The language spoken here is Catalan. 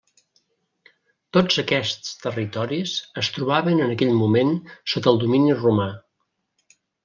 Tots aquests territoris es trobaven en aquell moment sota el domini romà.